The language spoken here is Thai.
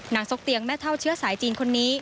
ซกเตียงแม่เท่าเชื้อสายจีนคนนี้